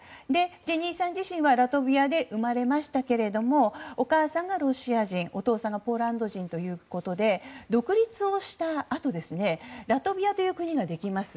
ジェニーさん自身はラトビアで生まれましたがお母さんがロシア人お父さんがポーランド人ということで独立をしたあとラトビアという国ができます。